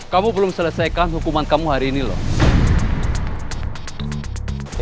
kamu belum selesaikan hukuman kamu hari ini loh